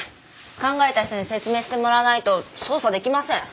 考えた人に説明してもらわないと捜査できません。